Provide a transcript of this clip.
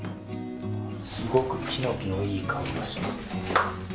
すごくヒノキのいい香りがしますね。